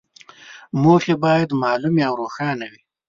موخې باید معلومې او روښانه وي.